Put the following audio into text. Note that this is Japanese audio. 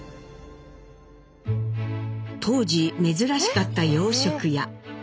当時珍しかった洋食屋。